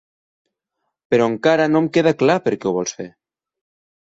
Però encara no em queda clar per què ho vols fer.